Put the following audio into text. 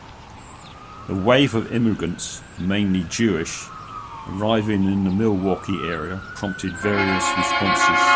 The waves of immigrants (mainly Jewish) arriving in the Milwaukee area prompted various responses.